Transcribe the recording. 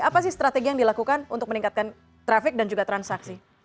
apa sih strategi yang dilakukan untuk meningkatkan traffic dan juga transaksi